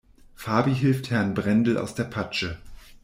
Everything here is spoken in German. Fabi hilft Herrn Brendel aus der Patsche.